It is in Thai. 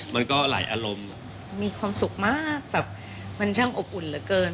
มันก็หลายอารมณ์มีความสุขมากแบบมันช่างอบอุ่นเหลือเกิน